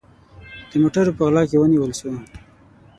د موټروپه غلا کې ونیول سو